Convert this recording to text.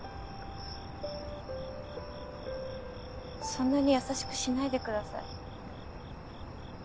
そんなに優しくしないでください。